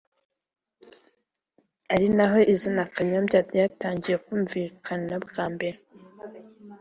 ari naho izina Kanyombya ryatangiye kumvikana bwa mbere»